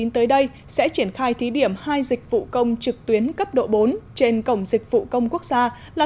tới đây sẽ triển khai thí điểm hai dịch vụ công trực tuyến cấp độ bốn trên cổng dịch vụ công quốc gia là